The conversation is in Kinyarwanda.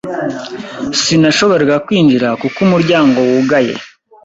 Sinashoboraga kwinjira kuko umuryango wugaye.